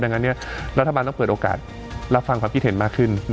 ดังนั้นรัฐบาลต้องเปิดโอกาสรับฟังความคิดเห็นมากขึ้น